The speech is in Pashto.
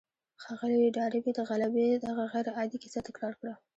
ښاغلي ډاربي د غلبې دغه غير عادي کيسه تکرار کړه.